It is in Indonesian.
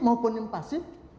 maupun yang pasif